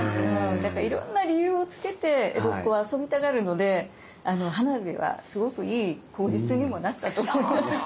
だからいろんな理由をつけて江戸っ子は遊びたがるので花火はすごくいい口実にもなったと思います。